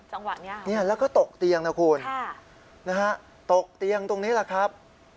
จังหวะนี้แล้วก็ตกเตียงนะคุณนะฮะตกเตียงตรงนี้แหละครับ